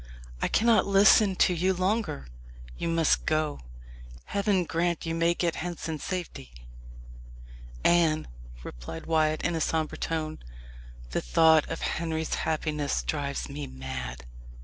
I cannot listen to you longer. You must go. Heaven grant you may get hence in safety!" "Anne," replied Wyat in a sombre tone, "the thought of Henry's happiness drives me mad.